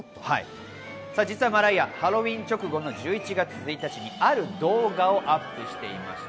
実はマライア、ハロウィーン直後の１１月１日にある動画をアップしていました。